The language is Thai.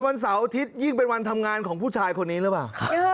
วันเสาร์อาทิตยิ่งเป็นวันทำงานของผู้ชายคนนี้หรือเปล่า